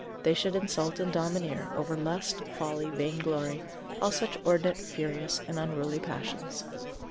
they should insult and domineer over lust, folly, vainglory, all such inordinate, furious and unruly passions.